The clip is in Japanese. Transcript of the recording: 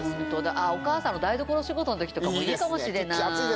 お母さんの台所仕事の時とかもいいかもしれない。